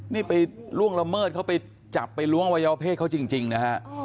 นี่ไปล่วงละเมิดเขาไปจับไปล้วงอวัยวเพศเขาจริงนะฮะ